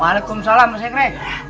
waalaikumsalam pak sekre